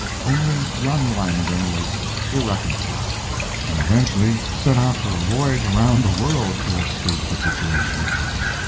Only young Langdon was irreconciled, and eventually set out for a voyage around the world to escape the situation.